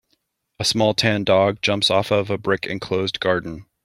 A small tan dog jumps off of a brick enclosed garden.